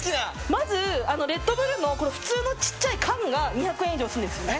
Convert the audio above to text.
まず、レッドブルの普通の小さい缶が２００円以上するんですよね。